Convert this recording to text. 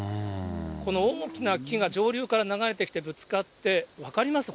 この大きな木が上流から流れてきてぶつかって、分かります？